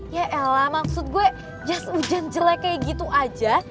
ya ella maksud gue jas hujan jelek kayak gitu aja